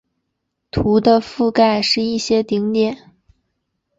图的覆盖是一些顶点。